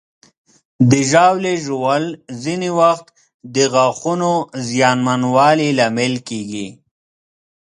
د ژاولې ژوول ځینې وخت د غاښونو زیانمنوالي لامل کېږي.